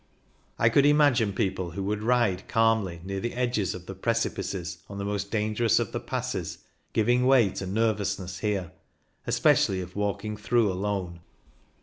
I could imagine people who would ride calmly near the edges of the precipices on the most dangerous of the passes giving way to nervousness here, especially if walk ing through alone.